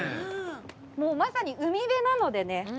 まさに海辺なのでね。